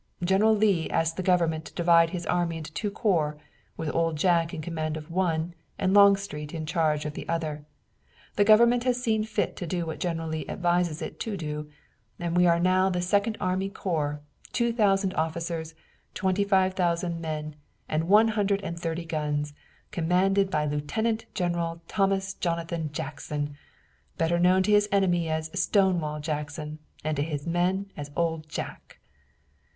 General Lee asked the government to divide his army into two corps, with Old Jack in command of one and Longstreet in charge of the other. The government has seen fit to do what General Lee advises it to do, and we are now the Second Army Corps, two thousand officers, twenty five thousand men and one hundred and thirty guns, commanded by Lieutenant General Thomas Jonathan Jackson, better known to his enemy as 'Stonewall' Jackson and to his men as 'Old Jack.'"